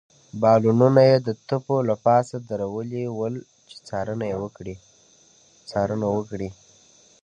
بالونونه يې د تپو له پاسه درولي ول، چې څارنه وکړي.